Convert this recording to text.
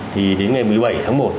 thì đến ngày một mươi bảy tháng một